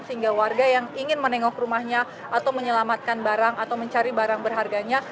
sehingga warga yang ingin menengok rumahnya atau menyelamatkan barang atau mencari barang berharganya